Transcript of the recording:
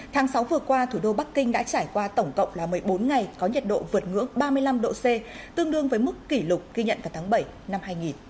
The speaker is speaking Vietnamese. tháng sáu vừa qua thủ đô bắc kinh đã trải qua tổng cộng là một mươi bốn ngày có nhiệt độ vượt ngưỡng ba mươi năm độ c tương đương với mức kỷ lục ghi nhận vào tháng bảy năm hai nghìn